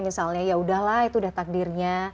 misalnya yaudahlah itu udah takdirnya